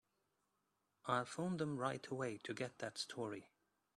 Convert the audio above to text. I'll phone them right away to get that story.